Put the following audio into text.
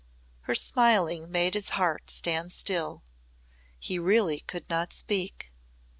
Her smiling made his heart stand still. He really could not speak.